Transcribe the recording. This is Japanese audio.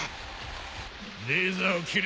レーザーを切れ。